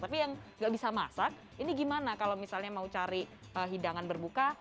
tapi yang nggak bisa masak ini gimana kalau misalnya mau cari hidangan berbuka